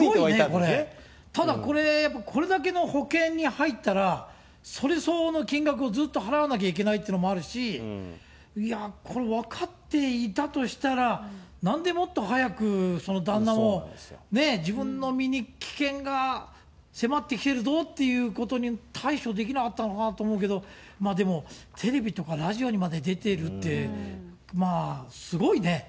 ただこれ、これだけの保険に入ったら、それ相応の金額をずっと払わなきゃいけないっていうのもあるし、いやー、これ、分かっていたとしたら、なんでもっと早く、その旦那もね、自分の身に危険が迫ってきているぞということに対処できなかったのかなと思うけど、まあでも、テレビとかラジオにまで出ているって、まあ、すごいね。